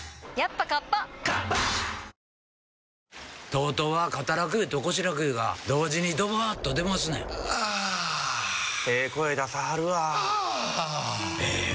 ＴＯＴＯは肩楽湯と腰楽湯が同時にドバーッと出ますねんあええ声出さはるわあええ